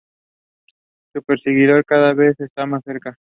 Su perseguidor cada vez está más cerca.